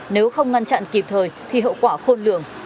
nếu không ngăn chặn kịp thời thì hậu quả khôn lường